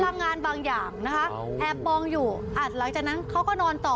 พลังงานบางอย่างนะคะแอบมองอยู่อ่ะหลังจากนั้นเขาก็นอนต่อ